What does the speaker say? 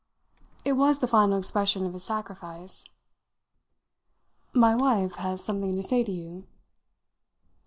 It was the final expression of his sacrifice. "My wife has something to say to you."